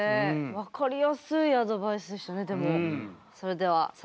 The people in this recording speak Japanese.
分かりやすいアドバイスでしたねでも。